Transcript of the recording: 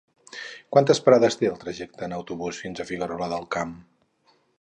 Quantes parades té el trajecte en autobús fins a Figuerola del Camp?